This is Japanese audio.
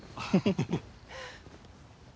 フフフフ。